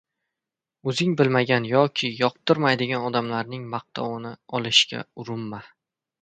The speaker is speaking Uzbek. O‘zing bilmagan yoki yoqtirmaydigan odamlarning maqtovini olishga urinma.